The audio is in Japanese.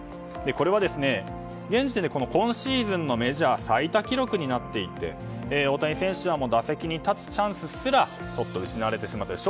これは、現時点で今シーズンのメジャー最多記録になっていて大谷選手は打席に立つチャンスすら失われてしまっている。